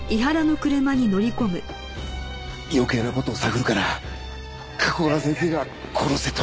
余計な事を探るから加古川先生が殺せと。